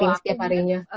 yang setiap harinya